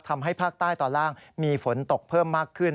ทำให้ภาคใต้ตอนล่างมีฝนตกเพิ่มมากขึ้น